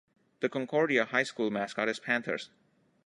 The Concordia High School mascot is Panthers.